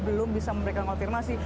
belum bisa memberikan konfirmasi